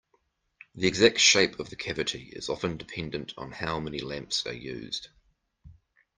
The exact shape of the cavity is often dependent on how many lamps are used.